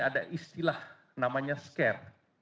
ada istilah namanya scare